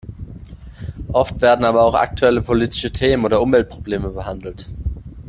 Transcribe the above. Oft werden aber auch aktuelle politische Themen oder Umweltprobleme behandelt.